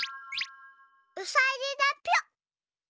うさぎだぴょ。